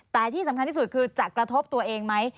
แต่ที่สำคัญที่สุดคือจะกระทบตัวเองไหม